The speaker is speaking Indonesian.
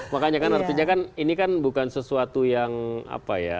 makanya kan artinya kan ini kan bukan sesuatu yang apa ya